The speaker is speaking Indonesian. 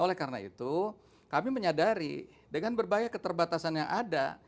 oleh karena itu kami menyadari dengan berbagai keterbatasan yang ada